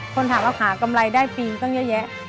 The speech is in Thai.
คนถามว่าหากำไรได้ฟรีตั้งเยอะแยะ